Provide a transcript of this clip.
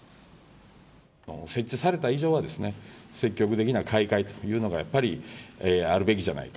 設置された以上は、積極的な開会というのが、やっぱりあるべきじゃないか。